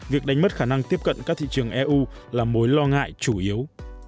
việc đánh mất khả năng tiếp cận các thị trường eu là mối lo ngại chủ yếu